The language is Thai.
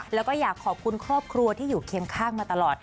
แล้วก็อยากขอบคุณครอบครัวที่อยู่เคียงข้างมาตลอด